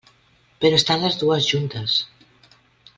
Però estan les dues juntes.